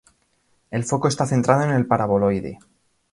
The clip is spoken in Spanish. El Foco está centrado en el paraboloide.